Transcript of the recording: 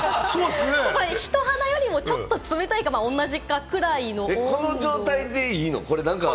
人肌よりもちょっと冷たいか、この状態でいいの？